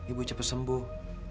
ibu cepat sembuh